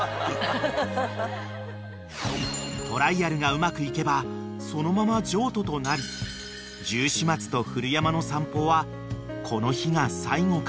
［トライアルがうまくいけばそのまま譲渡となりジュウシ松と古山の散歩はこの日が最後かもしれない］